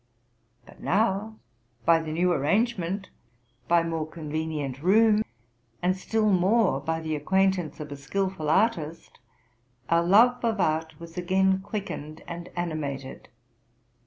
But now, by the new ar rangement, by more convenient room, and still more by the acquaintance of a skilful artist, our love of art was again quickened and animated.